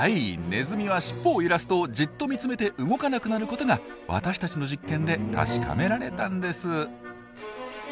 ネズミはしっぽを揺らすとじっと見つめて動かなくなることが私たちの実験で確かめられたんです。